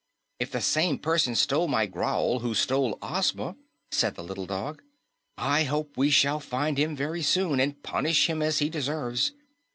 "If the same person stole my growl who stole Ozma," said the little dog, "I hope we shall find him very soon and punish him as he deserves.